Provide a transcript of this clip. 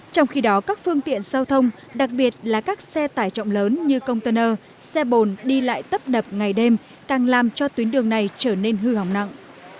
trong khi đó các phương tiện giao thông đặc biệt là các xe tải trọng lớn như container xe bồn đi lại tấp đập ngày đêm càng làm cho tuyến đường này trở nên hư hỏng nặng